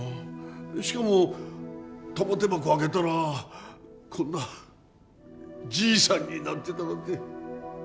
しかも玉手箱を開けたらこんなじいさんになってたなんて。